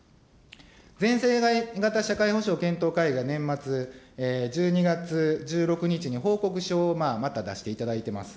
全世代型社会保障検討会議が年末１２月１６日に報告書をまた出していただいています。